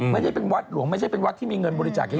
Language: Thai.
ไม่ได้เป็นวัดหลวงไม่ใช่เป็นวัดที่มีเงินบริจาคเยอะ